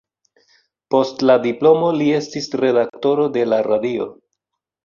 Post la diplomo li estis redaktoro de la Radio.